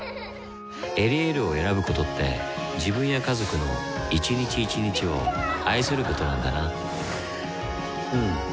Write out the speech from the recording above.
「エリエール」を選ぶことって自分や家族の一日一日を愛することなんだなうん。